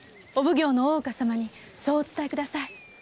お奉行の大岡様にそうお伝えください。